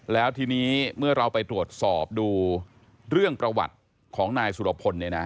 แล้วทีนี้เมื่อเราไปตรวจสอบดูเรื่องประวัติของนายสุรพล